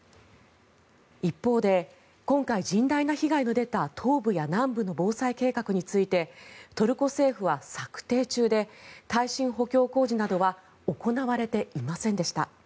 一方で今回、甚大な被害の出た東部や南部の防災計画についてトルコ政府は策定中で耐震補強工事などは行われていませんでした。